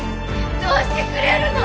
どうしてくれるの！？